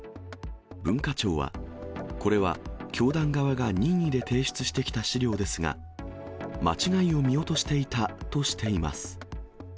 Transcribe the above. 文化庁は、これは教団側が任意で提出してきた資料ですが、間違いを見落としていたとしています。